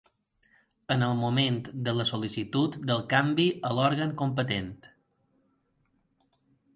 En el moment de la sol·licitud del canvi a l'òrgan competent.